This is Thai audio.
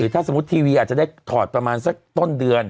ถ้าสมมุติทีวีอาจจะได้ถอดประมาณสักต้นเดือน